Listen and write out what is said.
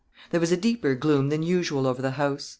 There was a deeper gloom than usual over the house.